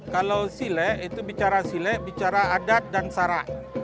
kalau silek itu bicara silek bicara adat dan sara